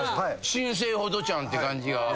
新生ホトちゃんって感じが。